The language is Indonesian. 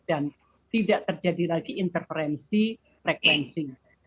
dan tidak terjadi lagi interferensi frekuensi